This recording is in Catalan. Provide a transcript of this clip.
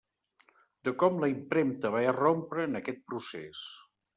De com la impremta va irrompre en aquest procés.